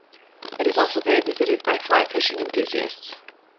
It is also very visited by fly fishing enthusiasts.